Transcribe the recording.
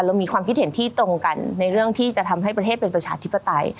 มีความคิดเห็นที่ตรงกันในเรื่องที่จะทำให้ประเทศเป็นประชาธิปไตย